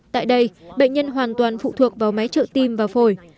tại đây bệnh nhân hoàn toàn phụ thuộc vào máy trợ tim và phổi